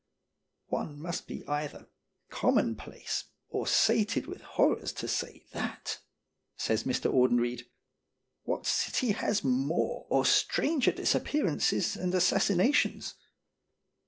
" One must be either commonplace or sated with horrors to say that," says Mr. Audenried. " What city has more or stranger disappear ances and assassinations?